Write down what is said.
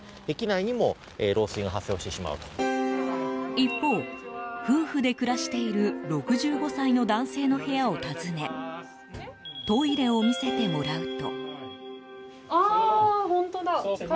一方、夫婦で暮らしている６５歳の男性の部屋を訪ねトイレを見せてもらうと。